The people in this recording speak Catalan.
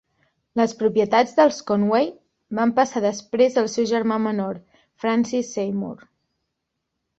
Les propietats dels Conway van passar després al seu germà menor Francis Seymour.